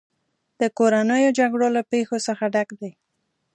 د کورنیو جګړو له پېښو څخه ډک دی.